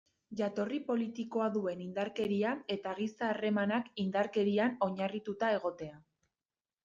Jatorri politikoa duen indarkeria eta giza harremanak indarkerian oinarrituta egotea.